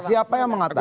siapa yang mengatakan